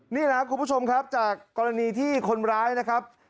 นี่นะครับคุณผู้ชมครับจากกรณีที่คนร้ายนะครับ